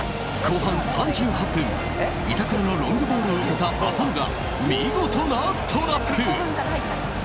後半３８分板倉のロングボールを受けた浅野が見事なトラップ。